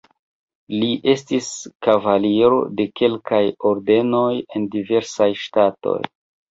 Li estis kavaliro de kelkaj ordenoj en diversaj ŝtatoj.